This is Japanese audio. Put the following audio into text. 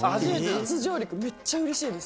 初上陸、めっちゃうれしいです。